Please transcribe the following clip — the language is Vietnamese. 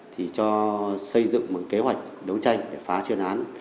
thì cho xây dựng một kế hoạch đấu tranh để phá chuyên án